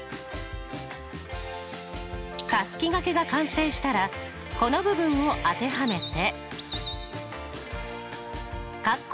たすきがけが完成したらこの部分を当てはめて。